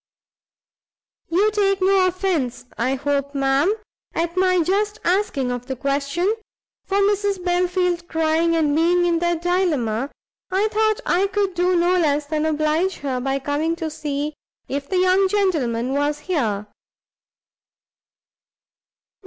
"You take no offence, I hope, ma'am, at my just asking of the question? for Mrs Belfield crying, and being in that dilemma, I thought I could do no less than oblige her by coming to see if the young gentleman was here."